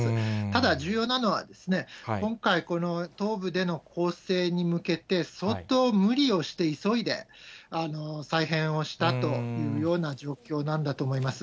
ただ、重要なのは、今回、この東部での攻勢に向けて、相当無理をして、急いで再編をしたというような状況なんだと思います。